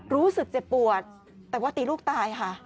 รู้สึกเจ็บปวดแต่ว่าตีลูกตายค่ะ